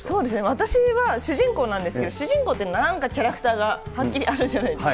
私は主人公なんですけど、主人公ってなんかキャラクターがはっきりあるじゃないですか。